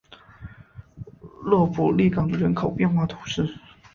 勒普利冈人口变化图示